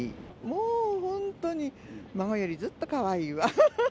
もう本当に、孫よりずっとかわいいわ。